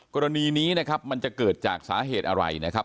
กรณีนี้นะครับมันจะเกิดจากสาเหตุอะไรนะครับ